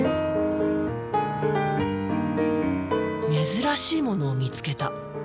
珍しいものを見つけた。